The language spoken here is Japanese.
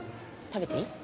食べていい？